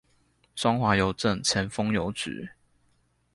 中華郵政前峰郵局